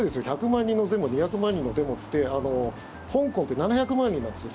１００万人のデモ２００万人のデモって香港って７００万人なんですよ